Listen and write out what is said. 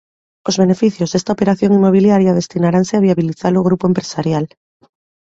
Os beneficios desta operación inmobiliaria destinaranse a viabiliza-lo grupo empresarial.